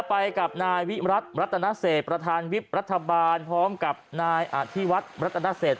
ไปกับนายวิรัตนาเศษประธานวิบรัฐบาลพร้อมกับนายอาทิวัตรนาเศษ